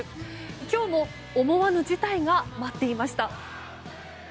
今日も思わぬ事態が待っていました。